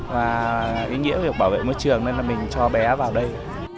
và ý nghĩa về bảo vệ môi trường nên mình cho bé vào đây